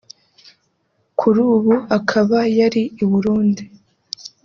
kuri ubu akaba yari i Burundi